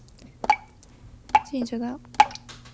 南接竹风绿光海风自行车道。